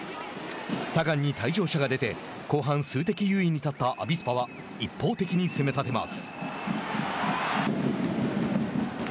サガンに退場者が出て後半、数的優位に立ったアビスパは一方的に攻め立てます。